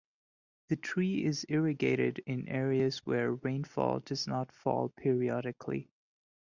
The tree is irrigated in areas where rainfall does not fall periodically.